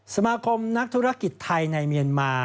สมาคมนักธุรกิจไทยในเมียนมา